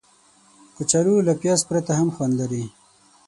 کچالو له پیاز پرته هم خوند لري